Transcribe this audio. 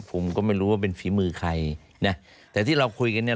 ผมก็ไม่รู้ว่าเป็นฝีมือใครนะแต่ที่เราคุยกันเนี่ย